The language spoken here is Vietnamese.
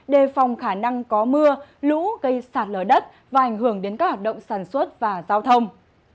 đề phòng khả năng có mưa lũ gây sạt lở đất và ảnh hưởng đến các hoạt động sản xuất và giao thông